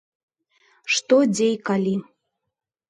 Што, дзе і калі?